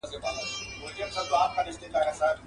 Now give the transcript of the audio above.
چي مي په سپینو کي یو څو وېښته لا تور پاته دي.